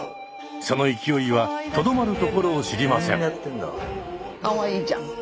その勢いはとどまるところを知りません。